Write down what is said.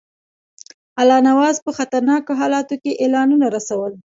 الله نواز په خطرناکو حالاتو کې اعلانونه رسول.